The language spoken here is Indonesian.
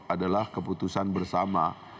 adalah keputusan bersama